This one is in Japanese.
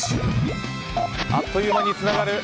あっという間につながる。